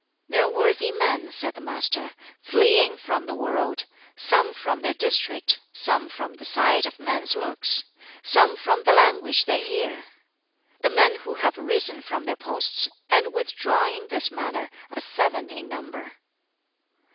"There are worthy men," said the Master, "fleeing from the world; some from their district; some from the sight of men's looks; some from the language they hear." "The men who have risen from their posts and withdrawn in this manner are seven in number."